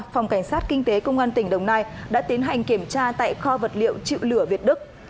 phòng cảnh sát kinh tế công an tỉnh đồng nai đã tiến hành kiểm tra tại kho vật liệu chịu lửa việt đức